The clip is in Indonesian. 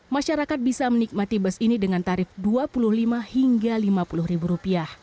masyarakat bisa menikmati bus ini dengan tarif rp dua puluh lima hingga rp lima puluh